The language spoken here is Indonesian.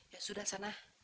ya sudah sana